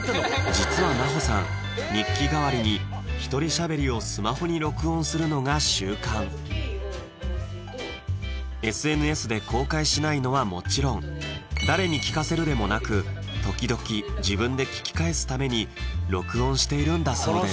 実は奈穂さんをスマホに録音するのが習慣ＳＮＳで公開しないのはもちろん誰に聞かせるでもなく時々自分で聞き返すために録音しているんだそうです